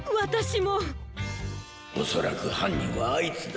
こころのこえおそらくはんにんはあいつだ。